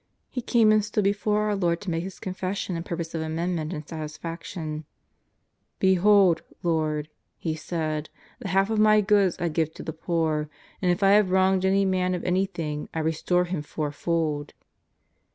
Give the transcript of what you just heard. He came and stood before our Lord to make his confession and purpose of amendment and satisfaction: *' Behold, Lord," he said, " the half of my goods I give to the poor, and if I have wronged any man of anything, I restore him fourfold."